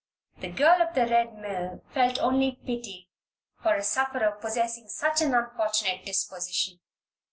The girl of the Red Mill felt only pity for a sufferer possessing such an unfortunate disposition.